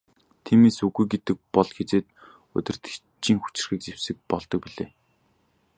Тиймээс үг гэдэг бол хэзээд удирдагчийн хүчирхэг зэвсэг болдог билээ.